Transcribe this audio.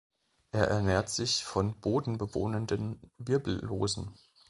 Er ernährt sich von bodenbewohnenden Wirbellosen.